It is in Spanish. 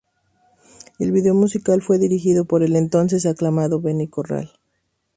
El video musical fue dirigido por el entonces aclamado Benny Corral.